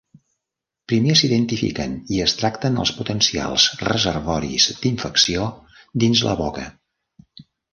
Primer, s'identifiquen i es tracten els potencials reservoris d'infecció dins la boca.